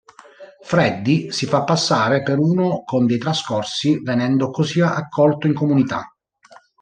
Freddie si fa passare per uno con dei trascorsi venendo così accolto in comunità.